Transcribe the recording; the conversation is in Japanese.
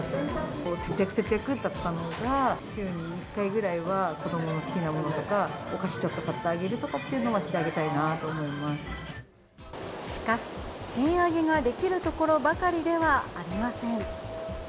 節約、節約だったのが、週に１回ぐらいは子どもの好きなものとか、お菓子ちょっと買ってあげるとかっていうのはしてあげたいなと思しかし、賃上げができるところばかりではありません。